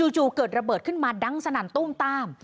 เกิดระเบิดขึ้นมาดังสนั่นตู้มต้าม